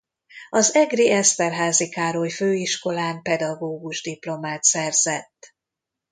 Az egri Eszterházy Károly Főiskolán pedagógus diplomát szerzett.